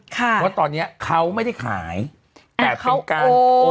ค่ะว่าตอนเนี้ยเขาไม่ได้ขายแต่เป็นการโอน